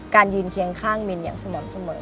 ยืนเคียงข้างมินอย่างสม่ำเสมอ